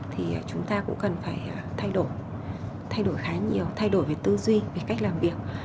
thì chúng ta cũng cần phải thay đổi thay đổi khá nhiều thay đổi về tư duy về cách làm việc